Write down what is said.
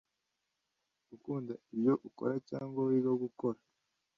gukunda ibyo ukora cyangwa wiga gukora